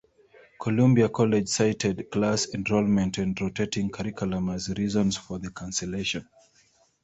Columbia College cited class enrollment and rotating curriculum as reasons for the cancellation.